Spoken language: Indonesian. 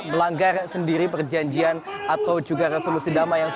melanggar sendiri perjanjiannya